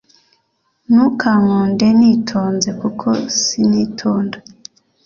Nukankunde nitonze kuko sinitonda